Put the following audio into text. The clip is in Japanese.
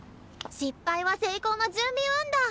失敗は成功の準備運動！